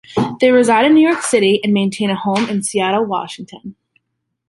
They reside in New York City and maintain a home in Seattle, Washington.